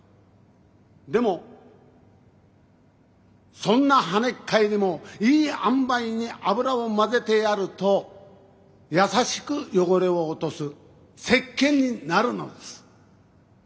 でもそんな跳ねっ返りもいいあんばいに油を混ぜてやると優しく汚れを落とす石鹸になるのです。